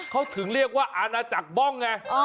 เขาถึงเรียกว่าอาณาจักรบ้องไง